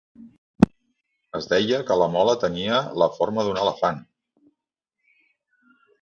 Es deia que la mola tenia la forma d'un elefant.